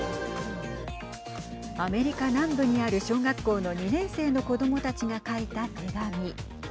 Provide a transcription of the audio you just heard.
アメリカ南部にある小学校の２年生の子どもたちが書いた手紙。